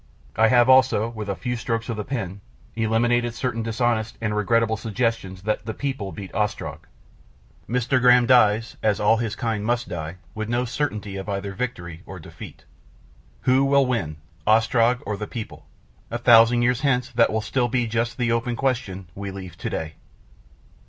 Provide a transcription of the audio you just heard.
I have also, with a few strokes of the pen, eliminated certain dishonest and regrettable suggestions that the People beat Ostrog. My Graham dies, as all his kind must die, with no certainty of either victory or defeat. Who will win Ostrog or the People? A thousand years hence that will still be just the open question we leave to day.